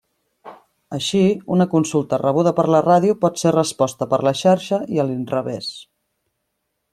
Així, una consulta rebuda per la ràdio pot ser resposta per la Xarxa i a l'inrevés.